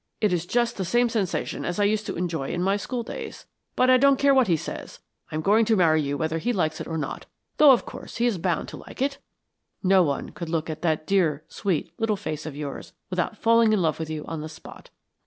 It is just the same sensation as I used to enjoy in my schooldays; but I don't care what he says, I am going to marry you whether he likes it or not, though, of course, he is bound to like it. No one could look at that dear sweet little face of yours without falling in love with you on the spot."